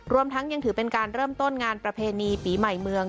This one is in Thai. ทั้งยังถือเป็นการเริ่มต้นงานประเพณีปีใหม่เมือง